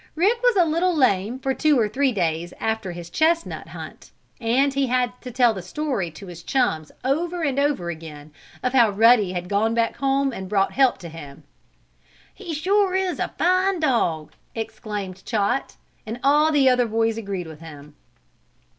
Rick was a little lame for two or three days after his chestnut hunt, and he had to tell the story to his chums over and over again, of how Ruddy had gone back home and brought help to him. "He sure is a fine dog!" exclaimed Chot, and all the other boys agreed with him.